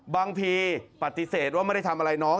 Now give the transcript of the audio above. บางทีปฏิเสธว่าไม่ได้ทำอะไรน้อง